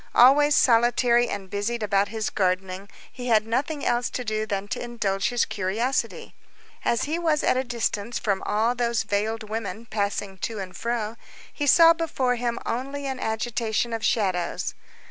Always solitary and busied about his gardening, he had nothing else to do than to indulge his curiosity. As he was at a distance from all those veiled women passing to and fro, he saw before him only an agitation of shadows.